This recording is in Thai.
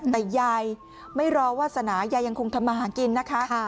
แต่ยายไม่รอวาสนายายยังคงทำมาหากินนะคะ